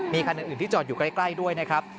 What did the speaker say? มีคันอื่นที่จอดอยู่ใกล้ด้วยนะครับ